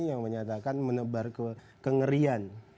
yang menyatakan menebar ke ngerian